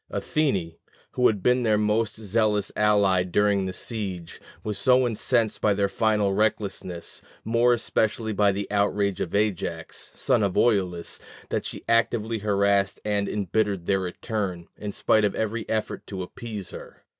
Athene, who had been their most zealous ally during the siege, was so incensed by their final recklessness, more especially by the outrage of Ajax, son of Oileus, that she actively harassed and embittered their return, in spite of every effort to appease her.